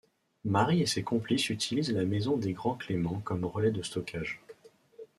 Marie et ses complices utilisent la maison des Grandclément comme relais de stockage.